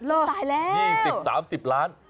๒๐๓๐ล้าน๒๐๓๐ล้าน